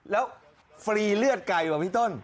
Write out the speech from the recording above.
แล้วฟรีเลือดไก่ว่ะพี่ต้น